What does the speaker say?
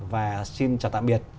và xin chào tạm biệt